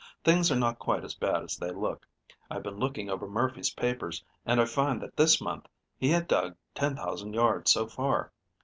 Things are not quite as bad as they look. I've been looking over Murphy's papers, and I find that this month he had dug 10,000 yards so far.